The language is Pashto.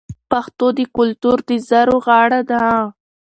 پښتو د کلتور د زرو غاړه ده.